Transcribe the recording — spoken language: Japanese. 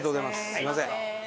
すみません。